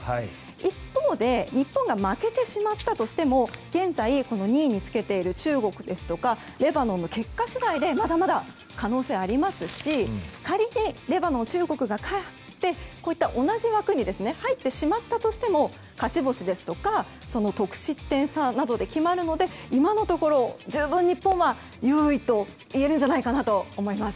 一方で、日本が負けてしまったとしても現在２位につけている中国ですとかレバノンの結果次第でまだまだ可能性がありますし仮にレバノン、中国が勝って同じ枠に入ってしまったとしても勝ち星ですとか得失点差などで決まるので今のところ十分、日本は優位といえると思います。